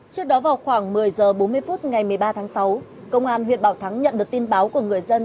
trước đó vào khoảng một mươi h bốn mươi phút ngày một mươi ba tháng sáu công an huyện bảo thắng nhận được tin báo của người dân